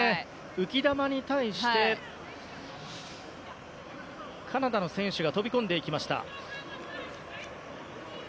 浮き球に対してカナダの選手が飛び込んでいきました。